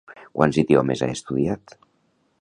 Quants idiomes ha estudiat?